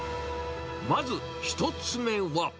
まず１つ目は。